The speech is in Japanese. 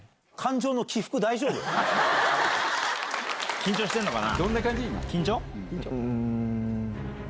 緊張してんのかな？